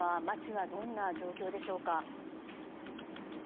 今、街はどんな状況でしょうか。